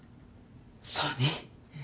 そうね。